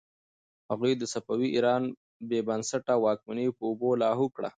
هغوی د صفوي ایران بې بنسټه واکمني په اوبو لاهو کړه.